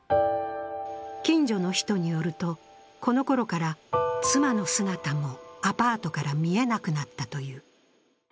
近所の人によると、このころから妻の姿もアパートから見えなくなったという。